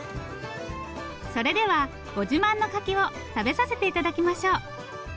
それではご自慢の柿を食べさせて頂きましょう。